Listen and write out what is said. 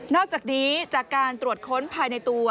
อกจากนี้จากการตรวจค้นภายในตัว